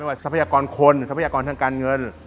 ทรัพยากรคนทรัพยากรทางการเงิน